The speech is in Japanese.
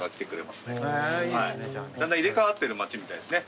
だんだん入れ替わってる町みたいですね。